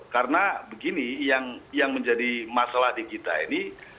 karena begini yang menjadi masalah di kita ini